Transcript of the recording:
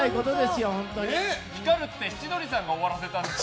「ピカル」って千鳥さんが終わらせたんですか？